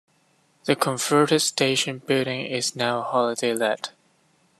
The converted station building is now a holiday let.